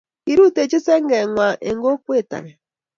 Kirutechi senge ng'wang eng kokwee age.